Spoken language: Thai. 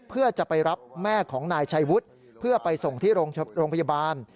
เพื่อจะไปรับแม่ของนายชัยวุฒิเพื่อไปส่งที่โรงพยาบาล